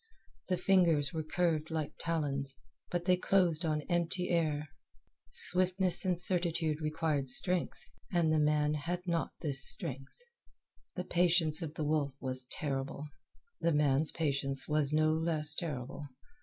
The fingers were curved like talons, but they closed on empty air. Swiftness and certitude require strength, and the man had not this strength. The patience of the wolf was terrible. The man's patience was no less terrible.